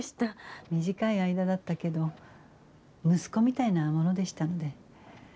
短い間だったけど息子みたいなものでしたので。